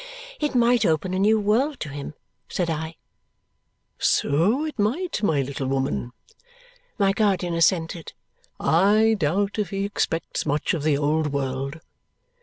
"It might open a new world to him," said I. "So it might, little woman," my guardian assented. "I doubt if he expects much of the old world.